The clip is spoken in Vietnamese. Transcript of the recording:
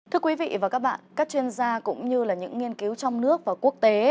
thưa quý vị và các bạn các chuyên gia cũng như là những nghiên cứu trong nước và quốc tế